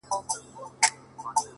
د ژوند كولو د ريښتني انځور!